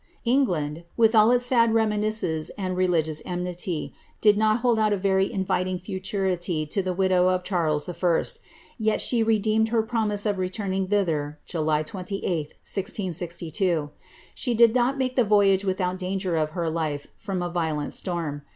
England, with all its sad reminiscences and religious enmity, did not huld out a very inviting futurity to the widow of Charles I. Tet she redeemed her promise of returning thither, July 28, 1662. She did not make the voyage without danger of her life from a violent storm.